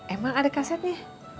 emang ada kasetnya